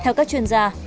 theo các chuyên gia